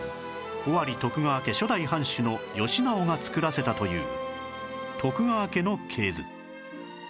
尾張徳川家初代藩主の義直が作らせたという徳川家の系図